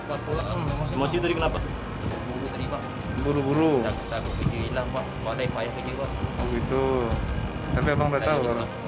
emosi emosi dari kenapa buru buru tapi video ini lupa pada itu itu tapi apa tahu